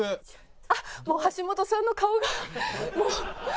あっもう橋本さんの顔が。